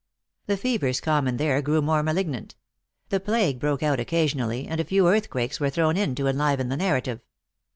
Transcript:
The fevers common there grew more malignant ; the plague broke out occasion ally, and a few earthquakes were thrown in to enliven the narrative.